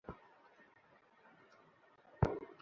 কাজু-পেস্তাবাদাম নিয়ে কোনো কথা বলো না।